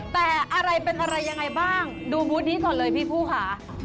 แต่อะไรเป็นอะไรยังไงบ้างดูบูธนี้ก่อนเลยพี่ผู้ค่ะ